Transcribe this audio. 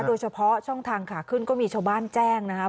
โดยเฉพาะช่องทางขาขึ้นก็มีชาวบ้านแจ้งนะครับ